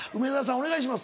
お願いします。